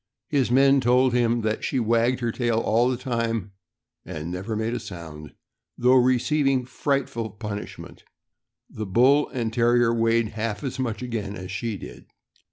His men told him that she wagged her tail all the time, and never made a sound, though receiving frightful punishment. The Bull and Terrier weighed half as much again as she did.